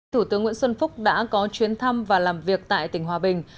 thủ tướng nguyễn xuân phúc đã có chuyến thăm và làm việc tại tỉnh hòa bình